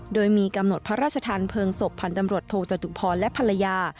โดยมีกำหนดพระราชทานเพลิงศพพันธ์ตำรวจโทจตุพรและภรรยา